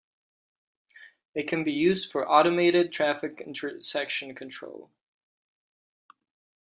It can be used for automated traffic intersection control.